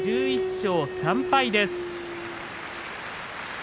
１１勝３敗です。